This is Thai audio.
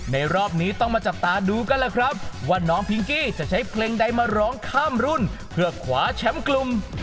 รอบนี้ต้องมาจับตาดูกันล่ะครับว่าน้องพิงกี้จะใช้เพลงใดมาร้องข้ามรุ่นเพื่อขวาแชมป์กลุ่ม